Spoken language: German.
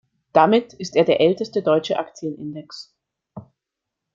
Damit ist er der älteste deutsche Aktienindex.